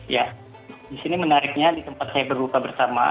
ya di sini menariknya di tempat saya berbuka bersama